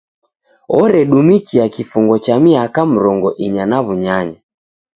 Oredumikia kifungo cha miaka mrongo inya na w'unyanya.